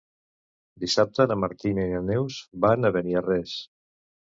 Dissabte na Martina i na Neus van a Beniarrés.